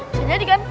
bisa jadi kan